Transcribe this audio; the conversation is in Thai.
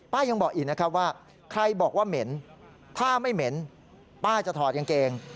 ยังบอกอีกนะครับว่าใครบอกว่าเหม็นถ้าไม่เหม็นป้าจะถอดกางเกง